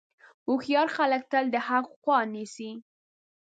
هوښیار خلک تل د حق خوا نیسي.